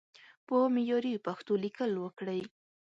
په معياري پښتو ليکل وکړئ!